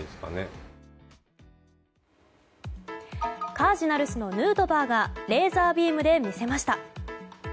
カージナルスのヌートバーがレーザービームで魅せました。